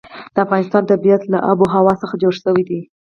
د افغانستان طبیعت له آب وهوا څخه جوړ شوی دی.